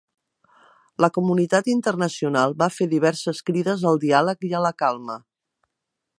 La comunitat internacional va fer diverses crides al diàleg i a la calma.